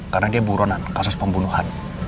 karena dia buronan kasus pembunuhan